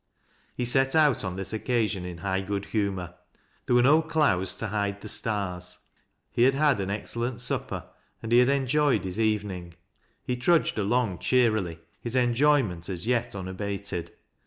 He set out on this occasion in high good humor. There were no clouds to hide the stars ; he had had an excellent supper, and he had enjoyed his evening. He trudged along cheerily, his enjoyment as yet unabated.